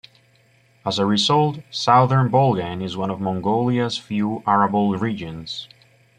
As a result, southern Bulgan is one of Mongolia's few arable regions.